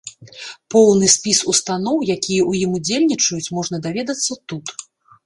Поўны спіс устаноў, якія ў ім удзельнічаюць, можна даведацца тут.